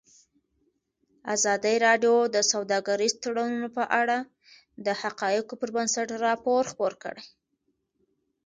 ازادي راډیو د سوداګریز تړونونه په اړه د حقایقو پر بنسټ راپور خپور کړی.